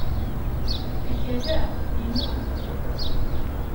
Akal-a inu.